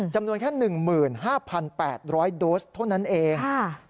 จำนวนแค่๑๕๘๐๐โดสเท่านั้นเอง